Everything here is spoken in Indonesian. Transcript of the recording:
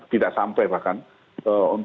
tidak sampai bahkan